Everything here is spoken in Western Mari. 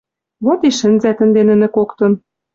Вот и шӹнзӓт ӹнде нӹнӹ коктын: